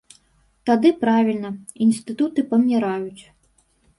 Тады правільна, інстытуты паміраюць.